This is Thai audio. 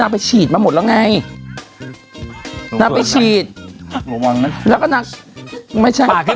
นักไปฉีดมาหมดแล้วไงนักไปฉีดแล้วก็นักไม่ใช่ผ่าขึ้น